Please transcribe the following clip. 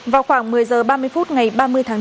vào khoảng một mươi h ba mươi phút ngày ba mươi tháng chín